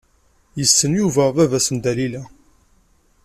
Yessen Yuba baba-s n Dalila.